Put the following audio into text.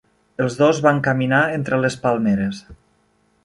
Els dos van caminar entre les palmeres.